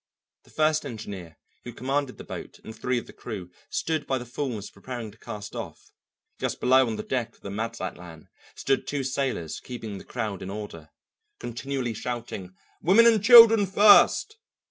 The first engineer, who commanded that boat, and three of the crew stood by the falls preparing to cast off. Just below on the deck of the Mazatlan stood two sailors keeping the crowd in order, continually shouting, "Women and children first!"